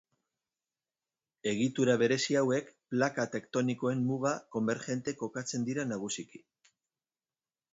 Egitura berezi hauek plaka tektonikoen muga konbergente kokatzen dira nagusiki.